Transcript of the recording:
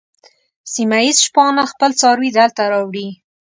سیمه ییز شپانه خپل څاروي دلته راوړي.